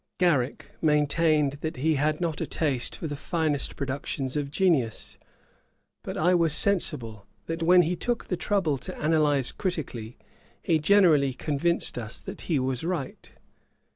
Garrick maintained that he had not a taste for the finest productions of genius: but I was sensible, that when he took the trouble to analyse critically, he generally convinced us that he was right.